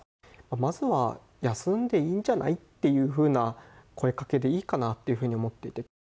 まずは休んでいいんじゃないっていうふうな声かけていいかなというふうに思っていて。